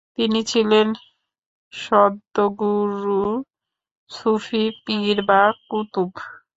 তিনি ছিলেন সদ্গুরু, সুফি পির বা কুতুব।